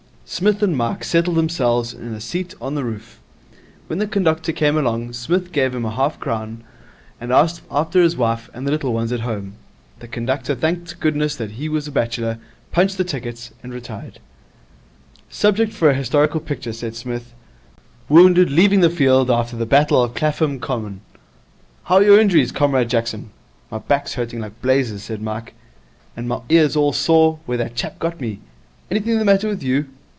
Psmith and Mike settled themselves in a seat on the roof. When the conductor came along, Psmith gave him half a crown, and asked after his wife and the little ones at home. The conductor thanked goodness that he was a bachelor, punched the tickets, and retired. 'Subject for a historical picture,' said Psmith. 'Wounded leaving the field after the Battle of Clapham Common. How are your injuries, Comrade Jackson?' 'My back's hurting like blazes,' said Mike. 'And my ear's all sore where that chap got me. Anything the matter with you?'